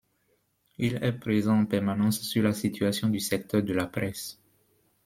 Il est présent en permanence sur la situation du secteur de la presse.